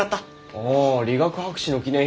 あ理学博士の記念品か。